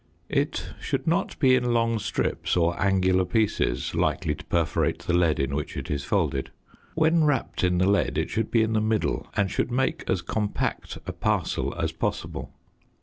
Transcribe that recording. It should not be in long strips or angular pieces likely to perforate the lead in which it is folded. When wrapped in the lead it should be in the middle and should make as compact a parcel as possible.